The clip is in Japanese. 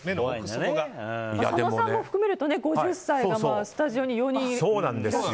佐野さんも含めると５０歳がスタジオに３人